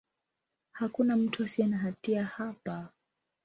Hakuna mtu asiye na hatia hapa.